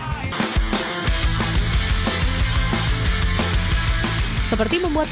seperti membuat kuliner bebek yang menantang